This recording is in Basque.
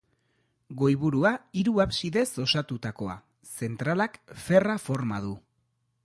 Goiburua, hiru absidez osatutakoa, zentralak ferra forma du.